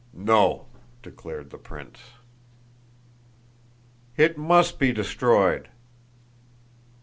"No," declared the prince. "It must be destroyed."